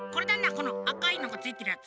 このあかいのがついてるやつ。